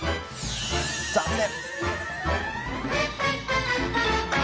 残念！